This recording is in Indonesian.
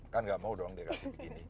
kan nggak mau doang dikasih begini